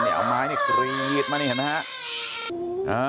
แหน่วไม้กรีดมานี่เห็นมั้ยฮะ